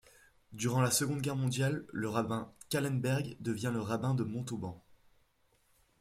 Durant la Seconde Guerre mondiale, le rabbin Kahlenberg devient le rabbin de Montauban.